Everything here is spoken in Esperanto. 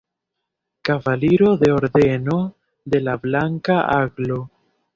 Kavaliro de Ordeno de la Blanka Aglo.